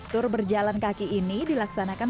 tur berjalan kaki ini dilaksanakan